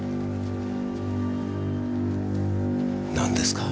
何ですか？